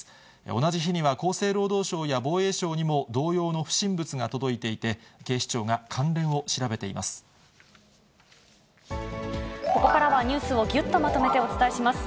同じ日には、厚生労働省や防衛省にも、同様の不審物が届いていて、警視庁が関ここからは、ニュースをぎゅっとまとめてお伝えします。